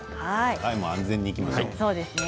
安全にいきましょうね。